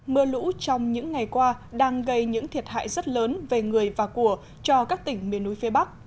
mưa lũ trong những ngày qua đang gây những thiệt hại rất lớn về người và của cho các tỉnh miền núi phía bắc